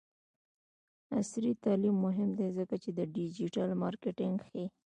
عصري تعلیم مهم دی ځکه چې د ډیجیټل مارکیټینګ ښيي.